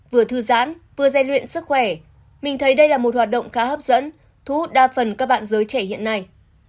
vừa thư giãn vừa gian luyện sức khỏe mình thấy đây là một hoạt động khá hấp dẫn thu hút đa phần các bạn giới trẻ hiện nay